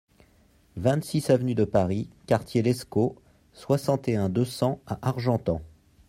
vingt-six avenue de Paris Qrt Lescot, soixante et un, deux cents à Argentan